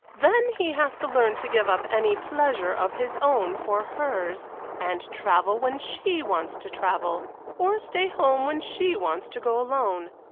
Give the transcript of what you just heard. Then he has to learn to give up any pleasure of his own for hers and travel when she wants to travel, or stay home when she wants to go alone.